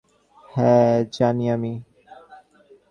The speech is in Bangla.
হ্যা, জানি আমি।